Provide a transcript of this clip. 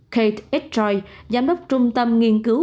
kate estroy giám đốc trung tâm nghiên cứu